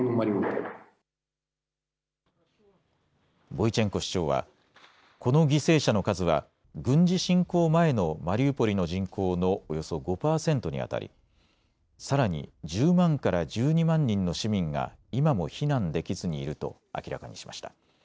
ボイチェンコ市長は、この犠牲者の数は軍事侵攻前のマリウポリの人口のおよそ５％にあたりさらに１０万から１２万人の市民が今も避難できずにいると明らかにしました。